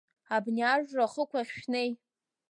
Абни ажра ахықәахь шәнеи!